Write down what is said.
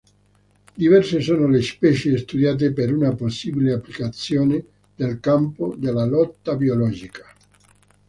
Diverse sono le specie studiate per una possibile applicazione nel campo della lotta biologica.